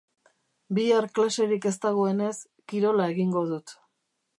Bihar klaserik ez dagoenez, kirola egingo dut.